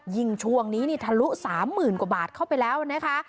ยิ่งช่วงนี้นี่ทะลุ๓๐๐๐กว่าบาทเข้าไปแล้วนะคะ